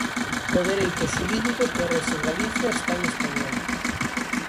O dereito xurídico que rexe en Galicia está en español.